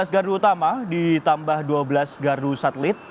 tiga belas gardu utama ditambah dua belas gardu satelit